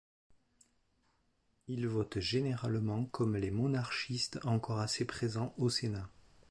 Il vote généralement comme les monarchistes encore assez présents au Sénat.